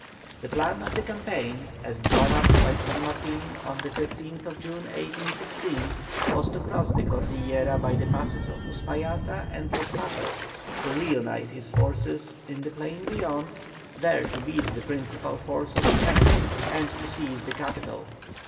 The plan of the campaign, as drawn up by San Martin on the 15th June, 1816, was to cross the Cordillera by the passes of Uspallata and Los Patos, to re unite his forces in the plain beyond, there to beat the principal force of the enemy and to seize the capital.